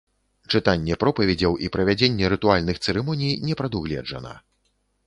Чытанне пропаведзяў і правядзенне рытуальных цырымоній не прадугледжана.